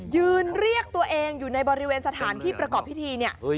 ยืนเรียกตัวเองอยู่ในบริเวณสถานที่ประกอบพิธีเนี่ย